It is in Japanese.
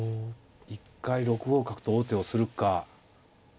一回６五角と王手をするか。